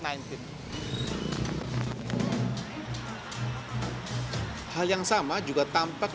hal yang sama juga tampak di kawasan masjid agung al akbar